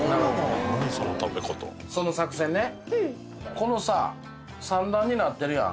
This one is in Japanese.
このさ３段になってるやん。